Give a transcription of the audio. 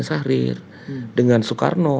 syahrir dengan soekarno